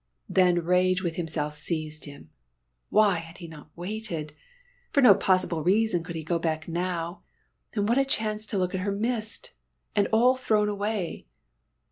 Then rage with himself seized him. Why had he not waited? For no possible reason could he go back now. And what a chance to look at her missed and all thrown away.